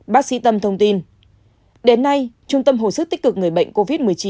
bác sĩ tâm thông tin đến nay trung tâm hồi sức tích cực người bệnh covid một mươi chín